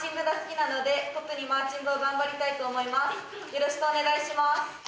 よろしくお願いします。